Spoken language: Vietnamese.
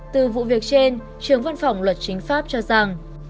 từ vụ việc trên trường văn phòng luật chính pháp cho rằng